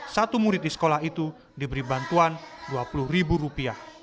satu murid di sekolah itu diberi bantuan rp dua puluh